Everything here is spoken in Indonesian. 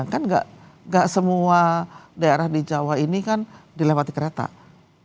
kan enggak semua daerah di jawa ini kan dilengkapi